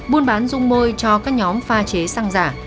buôn bán dung môi cho các nhóm pha chế xăng giả